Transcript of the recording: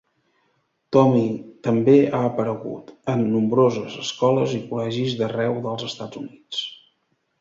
Tommy també ha aparegut en nombroses escoles i col·legis d'arreu dels Estats Units.